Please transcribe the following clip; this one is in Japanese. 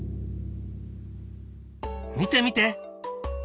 見て見て。